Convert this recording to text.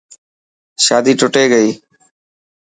شادي ٽٽي گئي.